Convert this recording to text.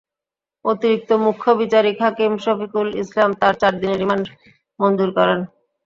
অতিরিক্ত মুখ্য বিচারিক হাকিম শফিকুল ইসলাম তাঁর চার দিনের রিমান্ড মঞ্জুর করেন।